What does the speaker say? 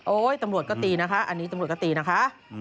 ตำรวจก็ตีนะคะอันนี้ตำรวจก็ตีนะคะ